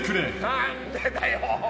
何でだよ！